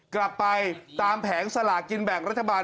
กลับไปตามแผงสลากินแบ่งรัฐบาล